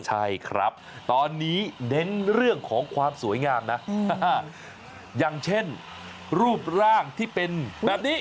ใช่ครับตอนนี้เน้นเรื่องของความสวยงามนะอย่างเช่นรูปร่างที่เป็นแบบนี้